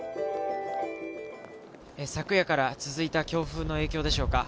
昨夜から続いた強風の影響でしょうか。